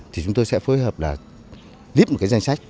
thì chúng tôi sẽ phối hợp là clip một cái danh sách